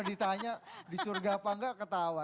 ditanya di surga apa enggak ketawa